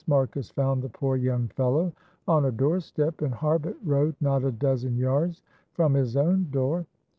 Marcus found the poor young fellow on a doorstep in Harbut Road not a dozen yards from his own door.